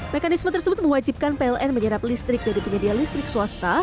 mekanisme tersebut mewajibkan pln menyerap listrik dari penyedia listrik swasta